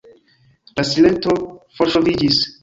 La silento forŝoviĝis.